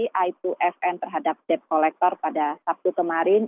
yaitu fn terhadap debt collector pada sabtu kemarin